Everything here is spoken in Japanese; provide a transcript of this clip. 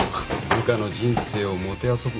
部下の人生をもてあそぶ。